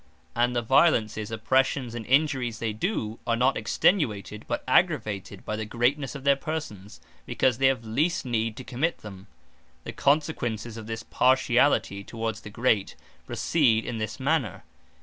And the violences, oppressions, and injuries they do, are not extenuated, but aggravated by the greatnesse of their persons; because they have least need to commit them. The consequences of this partiality towards the great, proceed in this manner.